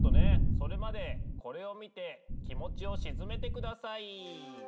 それまでこれを見て気持ちを静めてください。